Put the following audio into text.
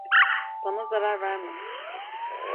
Bana zarar verme.